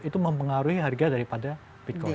itu mempengaruhi harga daripada bitcoin